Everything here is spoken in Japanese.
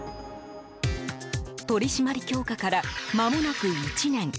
取り締まり強化からまもなく１年。